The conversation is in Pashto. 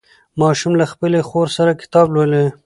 ماشوم له خپلې خور سره کتاب لولي